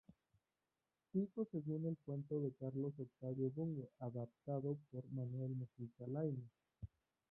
Pico según el cuento de Carlos Octavio Bunge adaptado por Manuel Mujica Lainez.